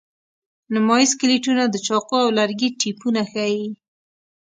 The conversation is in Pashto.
نیمایي سکلیټونه د چاقو او لرګي ټپونه ښيي.